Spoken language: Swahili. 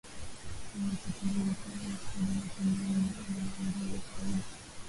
Tangu wakati huo al-Shabab kwa bahati mbaya imekuwa na nguvu zaidi.